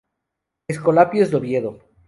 Escolapios de Oviedo.